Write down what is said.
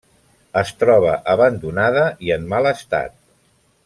Es troba abandonada i en mal estat.